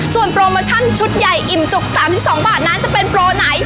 ส่วนโปรโมชั่นชุดใหญ่อิ่มจุก๓๒บาทนั้นจะเป็นโปรไหน